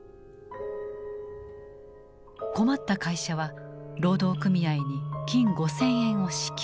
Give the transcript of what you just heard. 困った会社は労働組合に金５，０００円を支給。